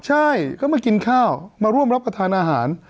ใช่ก็มากินข้าวมาร่วมรับประทานอาหาร